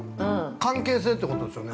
◆関係性ってことですよね？